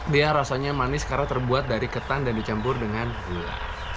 dia rasanya manis karena terbuat dari ketan dan dicampur dengan gula